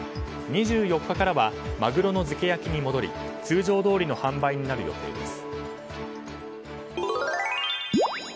２４日からはマグロの漬け焼きに戻り通常どおりの販売になる予定です。